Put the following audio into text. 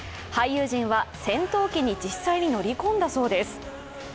俳優陣は戦闘機に実際に乗り込んだそうです。